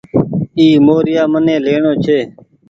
اي موريآ مني ليڻو ڇي۔